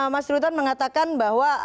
mas rutan mengatakan bahwa